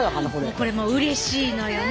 これもううれしいのよね。ね！